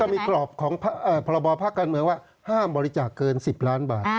มีกรอบของพรบภาคการเมืองว่าห้ามบริจาคเกิน๑๐ล้านบาท